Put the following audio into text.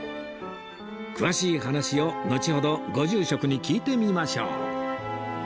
詳しい話をのちほどご住職に聞いてみましょう